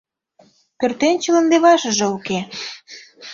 Пӧртӧнчылын левашыже уке.